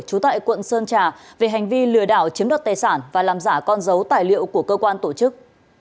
trú tại quận sơn trà về hành vi lừa đảo chiếm đoạt tài sản và làm giả con dấu tài liệu của cơ quan tổ chức